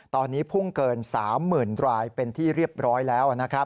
ตอนนี้พุ่งเกิน๓๐๐๐รายเป็นที่เรียบร้อยแล้ว